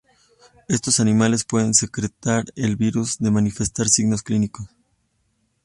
Estos animales pueden secretar el virus sin manifestar signos clínicos.